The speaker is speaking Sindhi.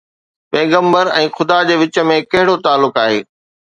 پيغمبر ۽ خدا جي وچ ۾ ڪهڙو تعلق آهي؟